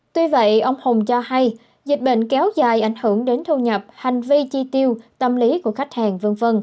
tuy vậy ông hùng cho hay dịch bệnh kéo dài ảnh hưởng đến thu nhập hành vi chi tiêu tâm lý của khách hàng v v